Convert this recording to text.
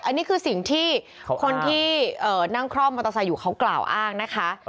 อันนี้คือสิ่งที่คนที่นั่งคล่อมมอเตอร์ไซค์อยู่เขากล่าวอ้างนะคะ